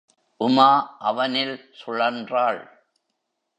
உமா அவனில் சுழன்றாள்.